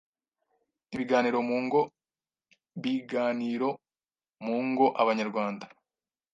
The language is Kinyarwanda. Ibiganiro mu ngo big a niro m u n g o Abanyarwanda